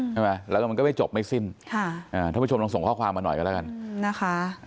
ใช่ไหมแล้วก็มันก็ไม่จบไม่สิ้นให้ผู้ชมทองส่งข้อความมาหน่อยกันแล้วกัน